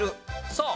そう！